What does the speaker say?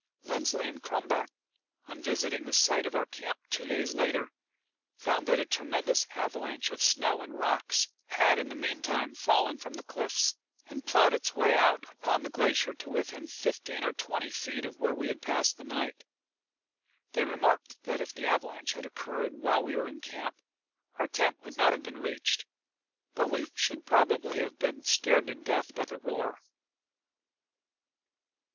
Lindsley and Crumback, on revisiting the site of our camp two clays later, found that a tremendous avalanche of snow and rocks had in the mean time fallen from the cliffs and ploughed its way out upon the glacier to within fifteen or twenty feet of where we had passed the night. They remarked that if the avalanche had occurred while we were in camp, our tent would not have been reached, but that we should probably have been scared to death by the roar.